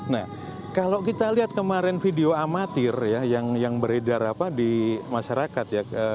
nah kalau kita lihat kemarin video amatir ya yang beredar di masyarakat ya